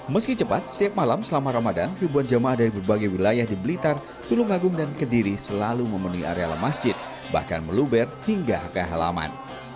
meski cepat setiap malam selama ramadan ribuan jamaah dari berbagai wilayah di blitar tulungagung dan kediri selalu memenuhi areal masjid bahkan meluber hingga ke halaman